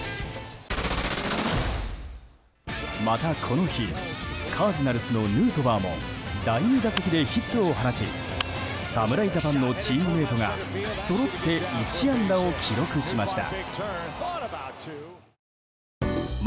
また、この日カージナルスのヌートバーも第２打席でヒットを放ち侍ジャパンのチームメートがそろって１安打を記録しました。